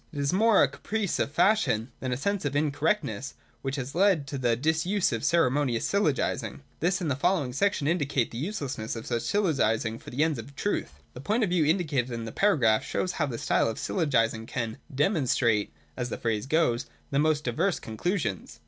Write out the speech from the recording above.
It is more a caprice of fashion, than a sense of its in correctness, which has led to the disuse of ceremonious syllogising. This and the following section indicate the uselessness of such syllogising for the ends of truth. The point of view indicated in the paragraph shows how this style of syllogism can ' demonstrate ' (as the phrase goes) the most diverse conclusions.